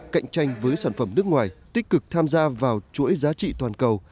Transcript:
cạnh tranh với sản phẩm nước ngoài tích cực tham gia vào chuỗi giá trị toàn cầu